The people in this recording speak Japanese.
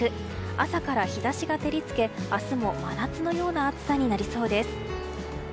朝から日差しが照り付け明日も真夏のような暑さになりそうです。